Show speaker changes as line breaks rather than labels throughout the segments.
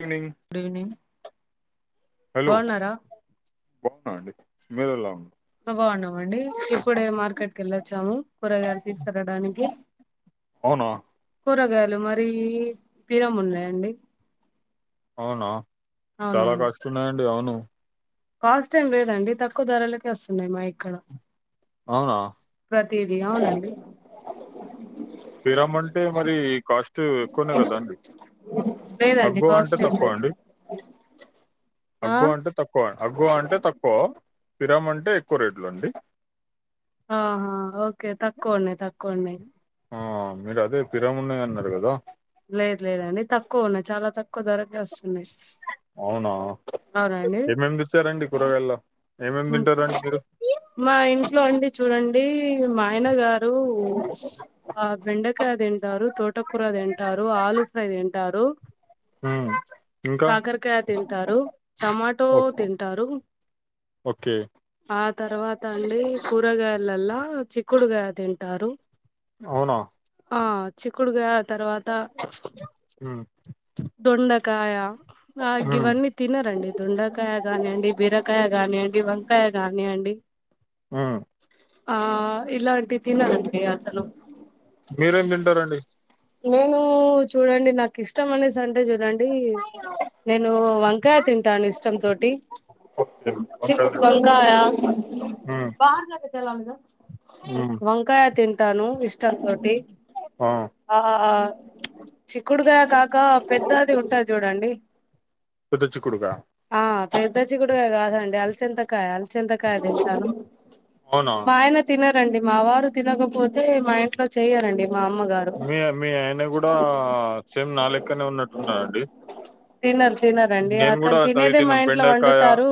Evening
good evening
hello
బాగున్నారా
బాగున్నారా అండి [unintelligible]
మేమ్ బాగున్నామండీ ఇప్పుడే మార్కెట్ కెళ్ళొచ్చాము కూరగాయలు తీస్కరాడానికి
అవునా
కూరగా యలు మరీ పిరెమ్ ఉన్నాయండి.
అవునా చాలా
అవునవును
కాస్ట్ ఉన్నాయండి అవును.
కాస్ట్ ఎం లేదండి తక్కువ ధరలకే వస్తున్నాయి మా ఇక్కడ.
అవునా
ప్రతిదీ అవునండి
పిరమ్ అంటే మరి కాస్ట్ ఎక్కువనే కదాండి.
లేదండి
అగ్వ అంటే
కాస్ట్ ఏం
తక్కువ
లేదు
అండి
ఆ
అగ్వ అంటే తక్కువ అగ్గువ అంటే తక్కువ. పిరమ్ అంటే ఎక్కువ రేట్లు అండి.
ఆ హా ఓకే తక్కువ అండి తక్కువ. ఉన్నాయ్
ఆ మీరు అదే పిరమున్నాయి అన్నరు కదా.
లేదు లేదండి తక్కువ ఉన్నాయ్ చాలా తక్కువ ధర
అవునా ఏమేమి తెచ్చారండి? కూరగాయల్ల
మ్మ్ మా ఇంట్లో అండి చూడండీ మా ఆయన గారు ఆ బెండకాయ తింటారు, తోటకూర తింటారు, ఆలు ఫ్రై తింటారు,
ఉమ్ ఇంకా
కాకరకాయ తింటారు, టమాటో
ఓ-
తింటారు,
ఓకే
ఆ తర్వాత అండి కూరగాయ లల్లా చిక్కుడుకాయ తింటారు,
అవునా
ఆ చిక్కుడుగాయ తర్వాత
ఉమ్
దొండ కాయ ఆ
ఉమ్
గివన్నీ తినరండి. దొండకాయ గానీ అండి బీరకాయ కానియండి వంకాయ గానియండి
ఉమ్
ఆ ఇలాం టి తిననండి అసలు.
మీరేం తింటారండి
నేనూ చూడండి నాకిష్టమనేసి అంటే చూడండి నేను వంకాయ తింటాను ఇష్టంతోటి.
ఓకే వంకాయ తింటాను
వంకాయ
ఉమ్ ఉమ్
వంకాయ తిన్ టాను ఇష్టంతోటి
ఆ
ఆ చిక్కుడుగాయ కాక పెద్దాది ఉంటది చూడండి,
పెద్ద చిక్కుడుకాయ
ఆ పెద్ద చిక్కుడుగాయ కాదండి అల్చింతకాయ అల్చింతకాయ తింటాను.
అవునా
మా ఆయన తిన అవును అండి మా వారు తినకపో తే మా ఇంట్లో చేయ్యరండి మా అమ్మగారు
మీ మీ ఆయన కూడా సేమ్ నా లెక్కనే ఉన్నట్టున్నండి
తినరు తినరండి అతను తినేదే మా ఇంట్లో వండుతారు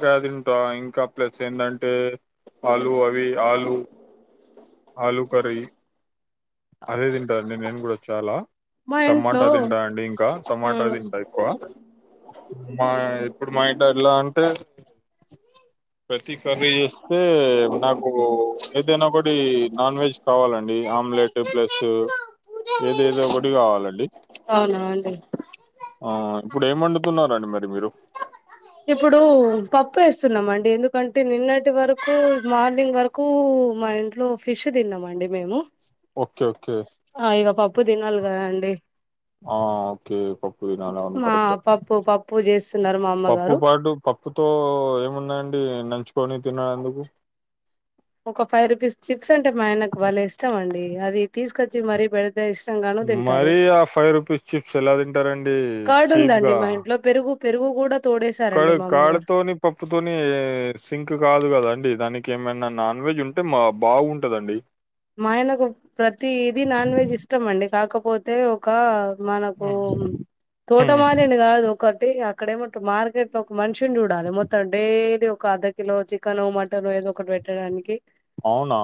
అవి తింట ఇంకా ప్లస్ ఏంటంటే ఆలు అవి ఆలు ఆలూ కర్రీ అదే తిం కానీ నేను కూడా చాలా
మా
టమాటా
ఇంట్లో
తింటా అండి ఇంకా టమాటా తింటా ఎక్కువ మా ఇప్పుడు మా ఇడ ఎలా అంటేం ప్రతి కర్రీ చేస్తే నాకు ఏదైనా ఒకటి నాన్వెజ్ కావాలండీ అమ్ ప్లస్ ఏదో ఏదో ఒకటి కావాలండి
అవునా అండి
ఆ ఇప్పుడేం వండుతున్నారండి మరి మీరు
ఇప్పుడు పప్పు చేస్తున్నామండి ఎందుకంటే నిన్నటి వరకు మార్నింగ్ వరకూ మా ఇంట్లో ఫిష్ తిన్నామండి మేము
ఓకే ఓకే
ఆ ఇక పప్పు పప్పు తినాలి కదా అండి
ఆ ఓకే పప్పు తినాలా అవును
మా
కరెక్టే
పప్పు పప్పు చేస్తున్నారు మా
పప్పు
అమ్మగారు
పాటు పప్పుతో ఏమున్నాయండి న పంచుకొని తిన్నాడు ఎందుకు
ఒక ఫైవ్ రూపీస్ చిప్స్ అంటే మా ఆయనకు బలే ఇష్టం అండి అదీ
మరీ ఆ ఫైవ్ రూపీస్ చిప్స్ ఎలా తింటారండీ
కర్డ్
చీప్
ఉందండి
గా
మా ఇంట్లో పెరుగు పెరుగు కూడా పె
కర్డ్ కర్డ్ తోని పప్పుతోని సింక్ కాదు కదా అండి దాని ఇంకేమైనా నాన్వెజ్ ఉంటే మ బాగుంటదండి
మాయనకు ప్రతీది నాన్వెజ్ ఇష్టం మండి కాక పోతే ఒక మనకు తోట
హ్మ్.
మాదిరి కాదు ఒకటి అక్కడ ఏమో మార్కెట్ లో ఒక మనిషిని చూడాలి మొత్తం డైలీ ఒక అర్ధ కిలో చికెన్ మటన్ ఏదో ఒకటి పెట్టడానికి
అవునా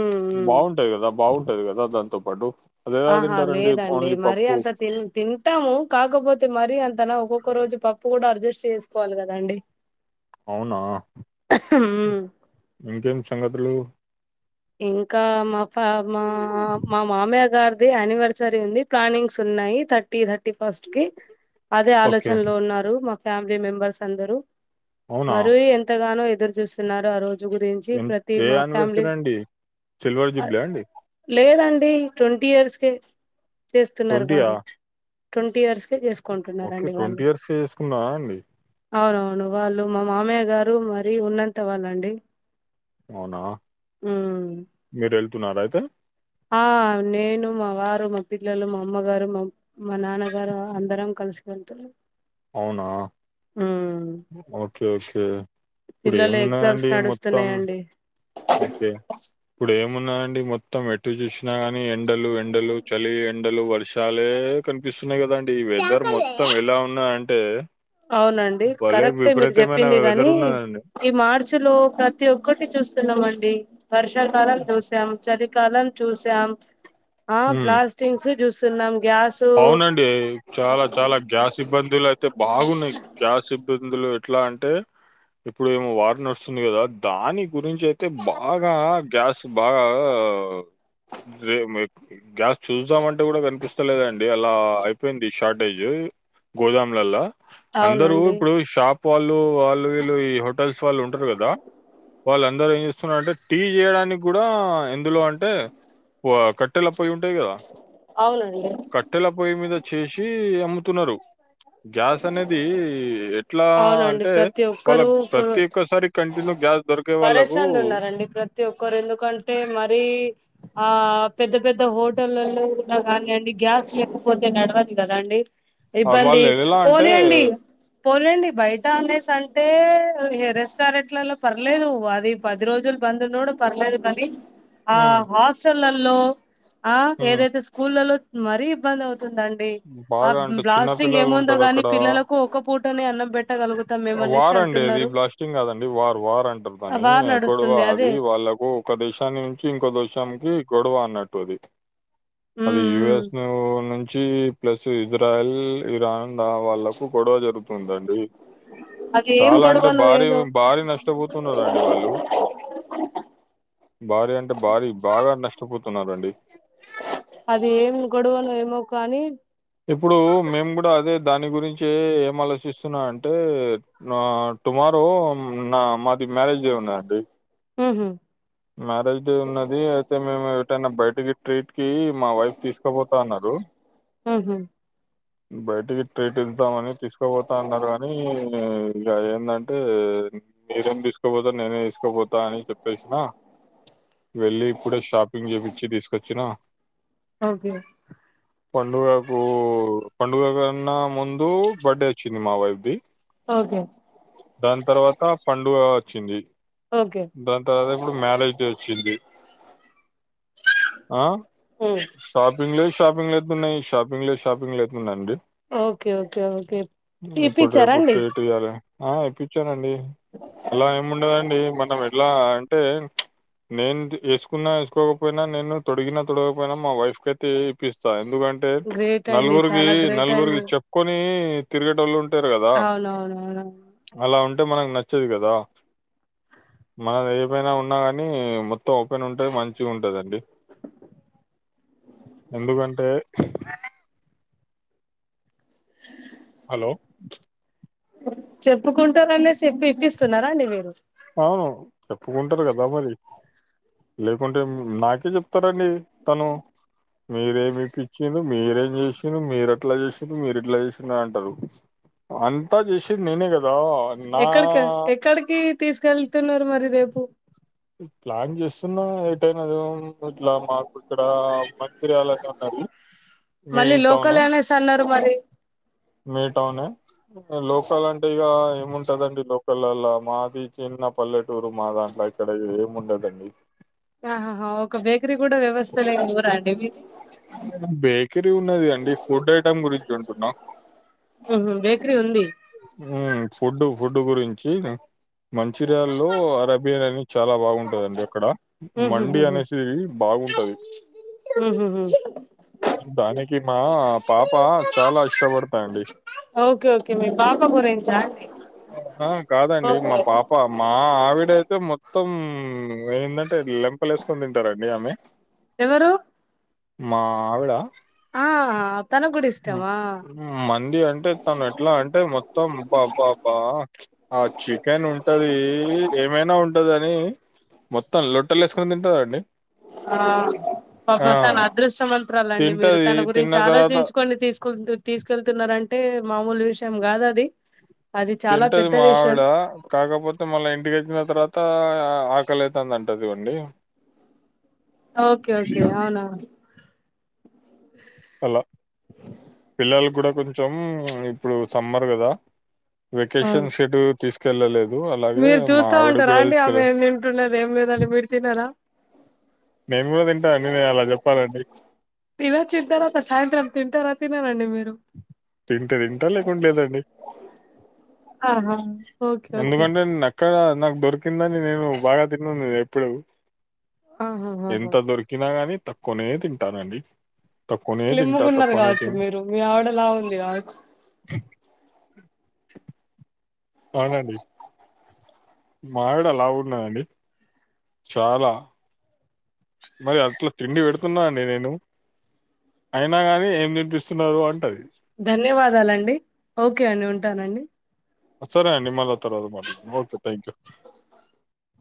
ఉమ్
బావుంటది కదా బావుంటది కదా దాంతో పాటు అదెలా
ఆహా
తింటారండి
లేదండి
ఓన్లీ
మరీ
పప్పు
అంత తిన్ తిన్ మ్ కాకపోతే మరీ అం త ఒక్కొక్క రోజు పప్పు కూడా అడ్జస్ట్ చేసుకోవాలి కదండి
అవునా
ఉమ్
ఇంకేమి సంగతులు
ఇంకా మాక్ ఆ మా మా మామయ్యా గరీది ఆనివర్సరీ ఉంది. ప్లానింగ్స్ ఉన్నాయి. థర్టీ థర్టీ ఫస్ట్ కి అదే
ఓకే
ఆలోచనలో ఉన్నారు. మా ఫ్యామిలీ మెంబర్స్ అందరు
అవునా
మరుయి ఎంతగానో ఎదుర్ చూస్తున్నారు ఆ రోజు గురించి
ఏం
ప్రతి
ఏ
మా ఫ్యామిలీ
యానివర్సరీ అండి సిల్వర్ జుబ్లి అండి
లేదండి ట్వంటీ ఇయర్స్ కే చేస్తున్నారు
ట్వంటీయా
వారు ట్వంటీ ఇయర్స్
ఓకే
చేసుకుంటున్నారండి వాళ్ళు
ట్వంటీ ఇయర్స్ చేసుకున్నా అండి
అవునవును వాళ్ళు మా మామయ్య గారు మరి ఉన్నంత వాళ్ళండి
అవునా
ఉమ్
మీర లె ఉన్నారైతే
ఆ నేను మా వారు మా పిల్లలు మా అమ్మగారు మా మా నాన్నగారు అందరం కలిసి వెెళ్తున్నాం
అవునా ఓకే ఓకే ఇప్పుడు
పిల్లలు ఎగ్జామ్స్
ఏమున్నాయండి మొత్తం
నడుస్తున్నాయండి
ఓకే ఇప్పుడు ఏమున్నా అండి మొ త్తం ఎటు చూసినా ని ఎండలు ఎండలు చలి ఎండలు వర్షాలే కనిపిస్తున్నాయి కదండి ఈ వెదర్ మొత్తం ఎలా ఉన్నా అం టె
అవునండి కరెక్టే మీరు చెప్పింది.
వెదర్
గానీ
ఉన్నదండి
ఈ మార్చి లో ప్రతి ఒక్కటి చూస్తున్నామండి. వర్షాకాలామ్ జూసం చలీ కాలం చూసాం ఆ
ఉమ్
బ్లాస్టింగ్స్ జూస్ సున్నాం
అవునండి చాలా చాలా గ్యాస్ ఇబ్బందుల బాగున్నయి గ్యాస్ ఇబ్బ ఇందులో ఎట్లా అంటే ఇప్పుడు ఏమో వార్ నడుస్తుంది కదా దాని గురించి అయితే బాగా గ్యాస్ బాగా గ్యాస్ చూద్దామంటే గూడా కనిపిస్తలేదండి గలా అలా అయిపోయింది షార్టేజ్ గోడౌన్లాల అందరూ
అవునండి
ఇప్పుడు షాప్ వాళ్ళు వాళ్ళు వీళ్ళు ఈ హోటల్స్ వాళ్ళు ఉంటరు కదా వాళ్ళు అందరూ ఏం చేస్తున్నారుంటే టీ చేయడానికి కూడా ఇందులో అంటే క్వా
అవునండి
బట్టెల పొయ్యి మీద చేసి అ [inaudible] ఎట్లా
అవునండి
అంటే
ప్రతి
వాళ్ళ
ఒక్కరు
ప్రతి ఒక్కసారి కంటిన్యూ గ్యాస్ దొరికే వాళ్ళకు
పరషాన్లు ఉన్నారండి ప్రతి ఒక్కరు ఎందుకంటే మరీ ఆ పెద్ద పెద్ద హోటలల్లో కానీండి గ్యాస్ లేకపోతే నడవదు కదా అండి
ఆ
ఇబ్బంది
వాళ్ళు ఎలా అంటే
పొలేండి బయట అనేసి అంటే రెస్టారెంట్లలో పర్లేదు అది పది రోజులు బంద్ ఉన్నడు పర్లేదు కానీ ఆ
ఉమ్,
వాసన్ హలో ఆ
ఉమ్,
ఏదైతే స్కూళ్ళలో మరీ ఇబ్బంది బ్బంది ఆ
బాగా అంటే చిన్న
బ్లాస్టింగ్
పిల్లలు
ఏముంది
ఉంటారు
ఈ
అక్కడ
పిల్లలకు ఒక పూట పూటనే అన్నం
వార్ అండి అది
అంటున్నారు
బ్లాస్టింగ్ కాదండి వార్ వార్ అంటరు దాని
వార్
గొడవ
నడుస్తుంది
అది
అదే
వాళ్ళకు ఒక దేశాన్ని నుంచి ఇంకో దేశానికి గొడవ ఉన్నట్టు అది
ఉమ్
అది
ఉమ్
యుఎస్ను నుంచి జి ప్లస్ ఇజరాయిల్ ఇరాన్ ఆ వాళ్ళకు గొడవ జరుగు ఉందండి
అది ఏం
చాలా అంటే
గొడవనో
భారీ
ఏదో
భారీ నష్టపోతున్నరండి వాళ్ళు భార్య అంటే భారీ బాగా నష్టపోతున్నారండి
అది ఏం గొడవనో ఏమో కానీ
ఇప్పుడు మేము కూడా అదే దాని గురించి ఏం ఆలోచిస్తున్నా అంటే నా టుమారో నా మా ఇ మ్యారేజ్ డే ఉన్నదండి
మ్మ్ హ్మ్
మ్యారేజ్ డే ఉన్నది అయితే మేము తన బయటికి ట్రీట్ కి మా వైఫ్ తీసుకోబతా ఆన్నారు
ఉహు
బయటికి ట్రీట్ ఇద్దామని తీస్కబోతా అన్నరు కానీ అదేందంటే మీరేం తీసుకబోత్ లే నేనే తీస్ పోతా అని చెప్పేసిన వెళ్ళి ఇప్పుడ షాపింగ్ చూపిచ్చి తీసుకొచ్చిన
ఓకే
పండుగకు పండుగ కన్నా ముందు బర్త్డే వచ్చింది మా వైఫ్ది
ఓకే
దాని తర్వాత పండుగ వచ్చింది
ఓకే
దాని తర్వాత ఇప్పుడు మ్యారేజ్ డే ఒచ్చింది ఆ
ఉమ్
షాపింగ్ లో షాపింగ్ లో ఎతున్నాయి షాపింగ్ లో షాపింగ్ లు ఎట్లున్నాయ్ అండి
ఓకే ఓకే ఓకే
ఇప్పుడు
ఇప్పిచ్చారా
రేపు
అండి
ట్రీట్ ఇయ్యాలి ఆ ఇప్పిచ్చానండి హలో ఏమ్ ఉండదండి టే మనం ఎట్లా అన్ అంటే నేను ఏసుకున్నా ఏసుకోకపోయినా నేను తొడిగిన తొడగకపోయినా మా వైఫ్ కయితే ఇప్పిస్తా ఎందుకంటే
గ్రేట్ అండి
నలుగురికి
చాలా గ్రేట్
నలుగురికి
అండి
చెప్పుకొని తిరిగేటోళ్ళుంటరు కదా
అవునవునవును
అలా ఉన్ అంటే మనకు నచ్చదు కదా మనది మన నా ఉన్నా కానీ మొత్తం ఓపెన్ ఉంటే మంచిగా ఉంటుందండి ఎందుకంటే హలో
చెప్పుకుంటారనే చెప్పి ఇప్పిస్తున్నారా అండి మీరు
అవును చెప్పుకుంటరు కదా మరి లేకుంటే నాకే చెప్తారండి తను మీరేమి పిచ్చి మీరేం చేసిన మీరక్క ఇట్లా చేశింది మీరు ఇట్లా చేసిందా అంటరు అంతా చేసింది నేనే కదా నా
ఎక్కడికి ల్ ఎక్కడికి తీసు వెళ్తున్నరు మరి రేపు
ప్లాన్ చేస్తున్నా ఏటైనది ఇట్లా మాకు ఇక్కడ మంతి ర్యాలని ఉన్నది
మళ్ళీ లోకల్ అనేస్ అన్నరు మరి
మే టౌన్ లోకల్ అంటే ఇగ ఉంటదండి లోకళ్ళళ్ళ మాది చిన్న పల్లెటూరు మా దాంట్లో ఇక్కడ ఏమి ఉండదండి
ఆహాహా ఒక బేకరీ కూడా వ్యవస్థ లేని ఊరా అండి మీది
బేకరీ ఉన్నది అండి ఫుడ్ ఐటెమ్ గురించి అం టున్నా
ఉహు బేకరీ ఉంది
ఫుడ్ ఫుడ్ గురించి మంచూరియాల్లో అరేబియన్ అనే చాలా బాగుంటదండి. అక్కడ మండి
ఉహుహుహు
అనేసి బాగుంటది.
ఉహుహు
దానికి మా పాప చాలా ఇష్టపడతాంది.
ఓకే ఓకే మీ పాప గురించా అండి
ఆ కాదండి
ఓకే
మా త్తం మా ఆవిడయితే మొత్తం ఏంటంటే లెంపలు వేసుకొని తింటారండి ఆమె
ఎవరు?
మా ఆత్త
ఆహా ఆగ్
మంది అంటే తను ఎట్లా అంటే మొత్ మొత్తం బాబ్బాబ్బా ఆ చికెన్ ఉంటది ఏమైనా ఉంటదని మొత్తం లొట్టలు ఏసుకొని తింటదండి
ఆ ప
ఆ
కో చా నమన్త్ ఆలోచించాలండి మీరు
తింటది
తన
తిన్న
గురించి
తర్వాత
ఆలోచించుకోని తీసుకు తీసుకెళ్తున్నర అంటే మామూలు విషయం కాద అది చాలా
తింటది
పెద్ద విషయం
మావిడ కాకపోతే మళ్ళా ఇంటికెక్కిిన తర్వాత అంతా ఆకలి అయితాంది అంట చూడండి
ఓకే ఓకే అవునవును
అలా పిల్లలు కూడ కొంచెం ఇప్పుడు సమ్మర్ కదా
అవును
వెకేషన్ సెటు తీసు వెళ్ళలేదు
మీరు చూస్తా ఉంటారా అండి ఆమె ఏ వింటున్న ఏం లేదని మీరు తిన్నరా
మేము గూడా తింటా [inaudible] ప్పాలండి
తింటార తినరా అండి మీరు
తింట తింటా లేకుండా లేదండి
ఆహా ఓకే ఓకే
ఎందుకంటే నక్క అక్కడ నాకు దొరికిందని నేను బాగా తిన్నను ఎప్పుడు
ఆహాహాహా
ఎంత దొరికినా గాని తక్కువనే తింటానండి తక్కువనే తింటా
స్లిమ్ముకున్నారు
తక్కువనే
కావచ్చు
తిన్
మీరు మీ ఆవిడ లా ఉంది కావచ్చు
అవునండి మావిడ అలా ఉన్నాయండి చాలా మరి అట్ల తిండి పెడుతున్నా అండి నేను అయినా కాని ఏం తినిపిస్తున్నారు అంటది
ధన్యవాదాలండి ఓకే అండి ఉంటానండి
సరే అండి మళ్ళ ఓకే థాంక్యూ